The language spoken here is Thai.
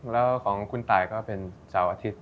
แล้วของคุณตายก็เป็นเสาร์อาทิตย์